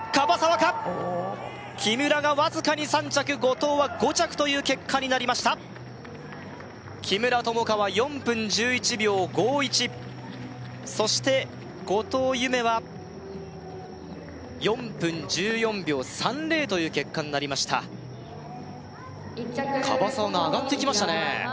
おおっ木村がわずかに３着後藤は５着という結果になりました木村友香は４分１１秒５１そして後藤夢は４分１４秒３０という結果になりました樺沢が上がってきましたね